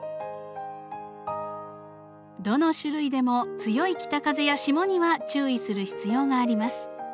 どの種類でも強い北風や霜には注意する必要があります。